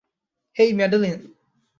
হেই, Madeline?